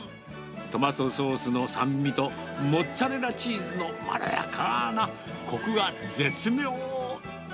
トマトソースの酸味と、モッツァレラチーズのまろやかなコクが絶妙。